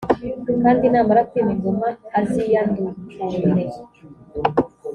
kandi namara kwima ingoma, aziyandukurire